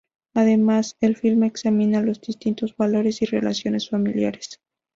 Además, el filme examina los distintos valores y relaciones familiares.